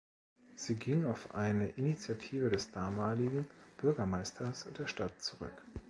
Sie ging auf eine Initiative des damaligen Bürgermeisters der Stadt zurück.